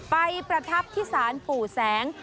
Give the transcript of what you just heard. ประทับที่ศาลปู่แสง